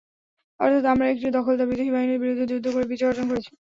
অর্থাৎ, আমরা একটি দখলদার বিদেশি বাহিনীর বিরুদ্ধে যুদ্ধ করে বিজয় অর্জন করেছি।